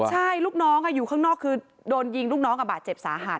ใช่ลูกน้องอยู่ข้างนอกคือโดนยิงลูกน้องกับบาดเจ็บสาหัส